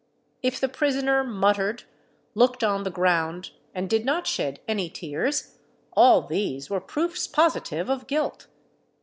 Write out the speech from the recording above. If the prisoner muttered, looked on the ground, and did not shed any tears, all these were proofs positive of guilt!